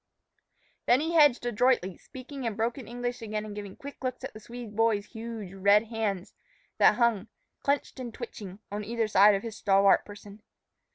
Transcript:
Then he hedged adroitly, speaking in broken English again and giving quick looks at the Swede boy's huge, red hands, that hung, clenched and twitching, on either side of his stalwart person.